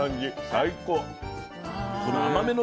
最高。